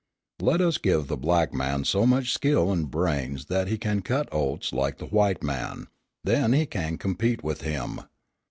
Let us give the black man so much skill and brains that he can cut oats like the white man, then he can compete with him.